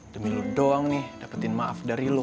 demi lu doang nih dapetin maaf dari lo